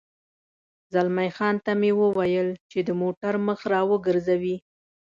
زلمی خان ته مې وویل چې د موټر مخ را وګرځوي.